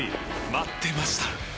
待ってました！